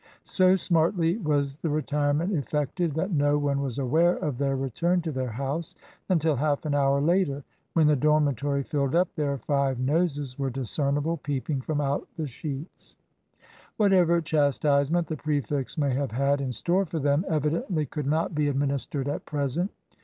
So smartly was the retirement effected, that no one was aware of their return to their house until half an hour later. When the dormitory filled up, their five noses were discernible peeping from out the sheets. Whatever chastisement the prefects may have had in store for them evidently could not be administered at present.